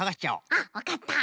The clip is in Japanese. あっわかった。